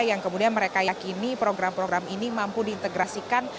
yang kemudian mereka yakini program program ini mampu diintegrasikan